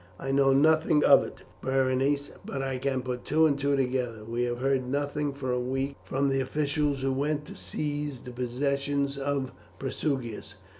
"I know nothing of it, Berenice, but I can put two and two together. We have heard nothing for a week from the officials who went to seize the possessions of Prasutagus.